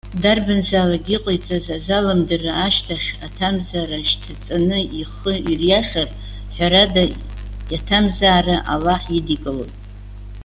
Дарбанзаалак, иҟаиҵаз азалымдара ашьҭахь аҭамзаара шьҭаҵаны ихы ириашар, ҳәарада, иаҭамзаара Аллаҳ идикылоит.